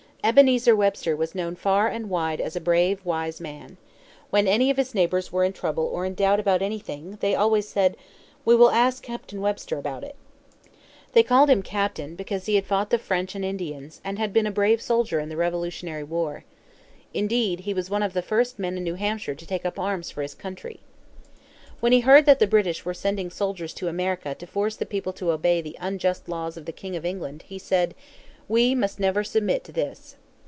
Ebenezer Webster was known far and wide as a brave, wise man. When any of his neighbors were in trouble or in doubt about anything, they always said, "We will ask Captain Webster about it." They called him Captain because he had fought the French and Indians and had been a brave soldier in the Revolutionary War. Indeed, he was one of the first men in New Hampshire to take up arms for his country. When he heard that the British were sending soldiers to America to force the people to obey the unjust laws of the king of England, he said, "We must never submit to this."